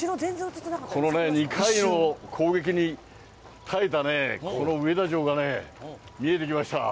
このね、２回の攻撃に耐えたこの上田城がね、見えてきました。